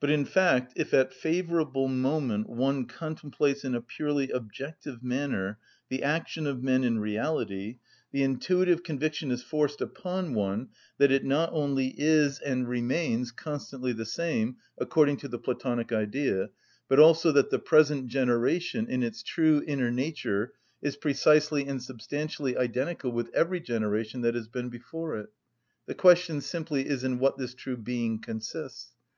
But, in fact, if at favourable moment one contemplates, in a purely objective manner, the action of men in reality; the intuitive conviction is forced upon one that it not only is and remains constantly the same, according to the (Platonic) Idea, but also that the present generation, in its true inner nature, is precisely and substantially identical with every generation that has been before it. The question simply is in what this true being consists.